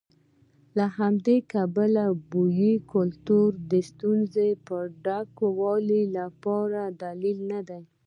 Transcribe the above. له همدې امله بومي کلتور د ستونزې په ډاګه کولو لپاره دلیل نه دی.